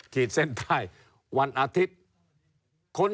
ขีดเส้นใต้วันอาทิตย์